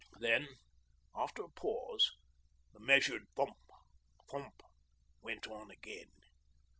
Then, after a pause, the measured thump, thump went on again.